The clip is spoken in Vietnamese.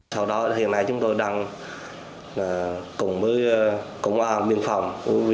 sau đó hiện nay chúng tôi đang cùng với công an biên phòng